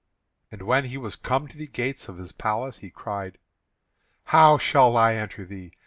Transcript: And when he was come to the gates of his palace he cried: "How shall I enter thee?